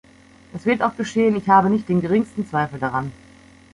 Das wird auch geschehen, ich habe nicht den geringsten Zweifel daran.